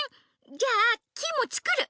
じゃあキイもつくる！